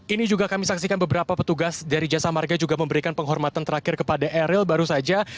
ini juga kami saksikan beberapa petugas dari jasa marga juga memberikan penghormatan terakhir kepada eril baru saja